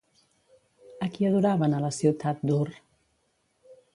A qui adoraven a la ciutat d'Ur?